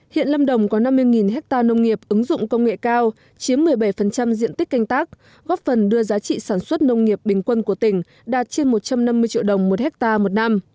hiện lâm đồng có năm mươi hectare nông nghiệp ứng dụng công nghệ cao chiếm một mươi bảy diện tích canh tác góp phần đưa giá trị sản xuất nông nghiệp bình quân của tỉnh đạt trên một trăm năm mươi triệu đồng một hectare một năm